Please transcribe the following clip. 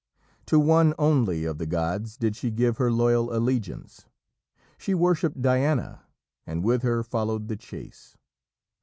To one only of the gods did she give her loyal allegiance. She worshipped Diana, and with her followed the chase.